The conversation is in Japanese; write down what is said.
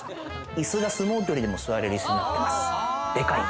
いすが相撲取りでも座れるいすになっています。